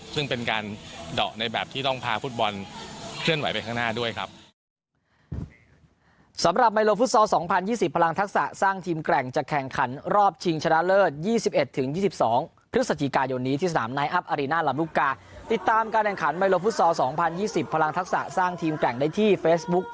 ซึ่งเป็นการเดาะในแบบที่ต้องพาฟุตบอลเคลื่อนไหวไปข้างหน้าด้วยครับ